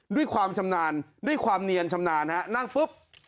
ด้วยความชำนาญด้วยความเนียนชำนาญฮะนั่งปุ๊บ